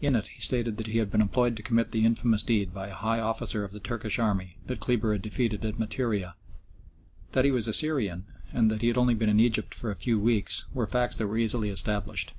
In it he stated that he had been employed to commit the infamous deed by a high officer of the Turkish Army that Kleber had defeated at Materiah. That he was a Syrian, and that he had only been in Egypt for a few weeks, were facts that were easily established.